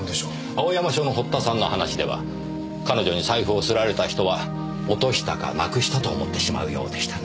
青山署の堀田さんの話では彼女に財布を掏られた人は落としたかなくしたと思ってしまうようでしたね。